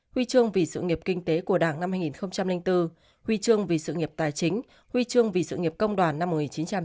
huy chương vì sự nghiệp kinh tế của đảng năm hai nghìn bốn huy chương vì sự nghiệp tài chính huy chương vì sự nghiệp công đoàn năm một nghìn chín trăm tám mươi ba